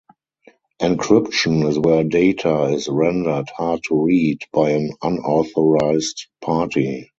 Encryption is where data is rendered hard to read by an unauthorized party.